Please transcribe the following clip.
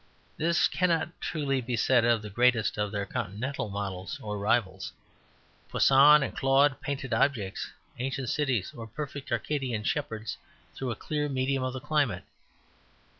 This cannot truly be said of the greatest of their continental models or rivals. Poussin and Claude painted objects, ancient cities or perfect Arcadian shepherds through a clear medium of the climate.